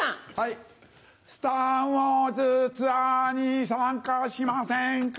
『スター・ウォーズ』ツアーに参加しませんか？